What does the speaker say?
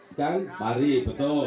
ikan pari betul